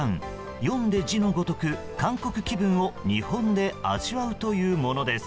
読んで字のごとく、韓国気分を日本で味わうというものです。